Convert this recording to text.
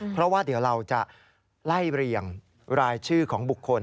เพราะว่าเดี๋ยวเราจะไล่เรียงรายชื่อของบุคคล